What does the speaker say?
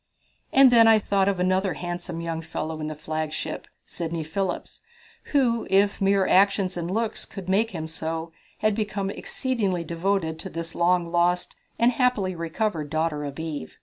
And then I thought of another handsome young fellow in the flagship Sidney Phillips who, if mere actions and looks could make him so, had become exceedingly devoted to this long lost and happily recovered daughter of Eve.